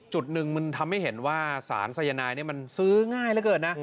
จุดหนึ่งมันทำให้เห็นว่าสารสายนายนี่มันซื้อง่ายเหลือเกินนะ